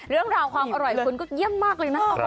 เรื่องราวความอร่อยคุณก็เยี่ยมมากเลยนะ